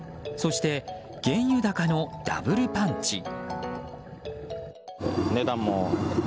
そして、原油高のダブルパンチ。